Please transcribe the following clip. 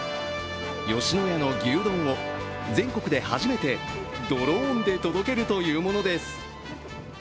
吉野家の牛丼を全国で初めてドローンで届けるというものです。